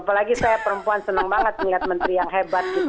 apalagi saya perempuan senang banget melihat menteri yang hebat